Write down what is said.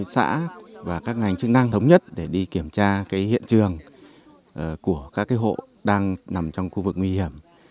xã và các ngành chức năng thống nhất để đi kiểm tra hiện trường của các hộ đang nằm trong khu vực nguy hiểm